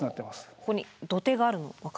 ここに土手があるの分かります？